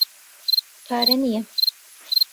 پارە نییە.